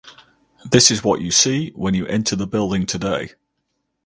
This is what you see when you enter the building today.